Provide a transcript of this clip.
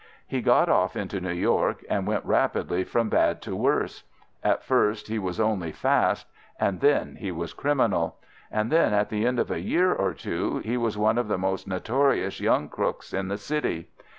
He got off into New York, and went rapidly from bad to worse. At first he was only fast, and then he was criminal; and then, at the end of a year or two, he was one of the most notorious young crooks in the city.